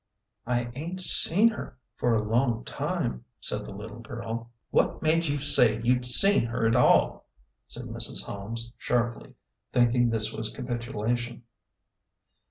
" I ain't seen her for a long time," said the little girl. "What made you say you'd seen her at all?" said Mrs. Holmes, sharply, thinking this was capitulation.